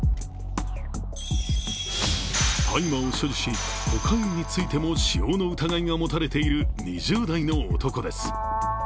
大麻を所持し、コカインについても使用の疑いが持たれている２０代の男です。